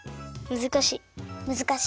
むずかしいのか。